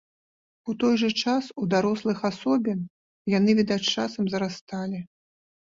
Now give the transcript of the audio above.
У той жа час у дарослых асобін, яны, відаць, з часам зарасталі.